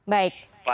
baik pak harifin